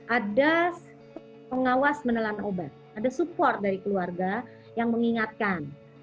ada pengawas menelan obat ada support dari keluarga yang mengingatkan